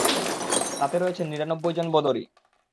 তাতে রয়েছেন নিরানব্বই জন বদরী।